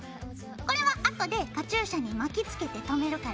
これはあとでカチューシャに巻きつけてとめるからね。